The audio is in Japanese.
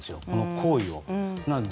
この行為をね。